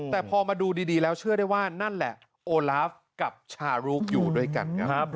แต่พอมาดูดีแล้วเชื่อได้ว่านั่นแหละโอลาฟกับชารุกอยู่ด้วยกันครับ